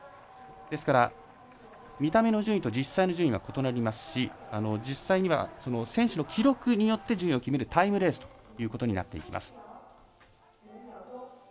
ですから、見た目の順位と実際の順位は異なりますし実際には、選手の記録によって順位を決めるタイムレースということになっています。